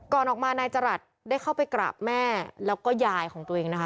ก่อนออกมานายจรัสได้เข้าไปกราบแม่แล้วก็ยายของตัวเองนะคะ